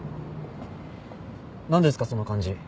何ですかその感じ。